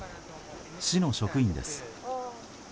市の職員です。